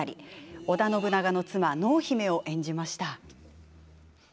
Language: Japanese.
織田信長の妻、濃姫を演じました。